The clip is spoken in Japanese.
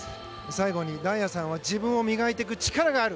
最後に、大也さんは自分を磨いていく力がある。